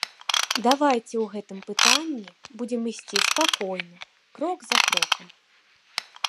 Давайце ў гэтым пытанні будзем ісці спакойна, крок за крокам.